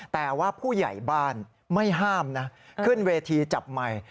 แต่ว่าผู้ใหญ่บ้านไม่ห้ามนะขึ้นเวทีจับไมค์